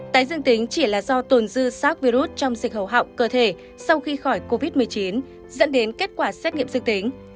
tái dương tính chỉ là do tồn dư sars virus trong dịch hầu họng cơ thể sau khi khỏi covid một mươi chín dẫn đến kết quả xét nghiệm dương tính